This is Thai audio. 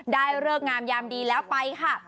เลิกงามยามดีแล้วไปค่ะ